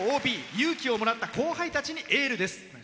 勇気をもらった後輩たちにエールです。